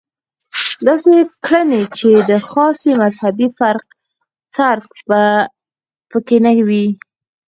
داسې کړنې چې د خاصې مذهبي فرقې څرک به په کې نه وي.